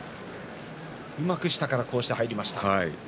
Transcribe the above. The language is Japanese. うまく下から入りました。